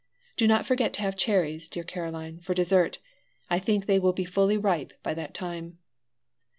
Do not forget to have cherries, dear Caroline, for dessert; I think they will be fully ripe by that time."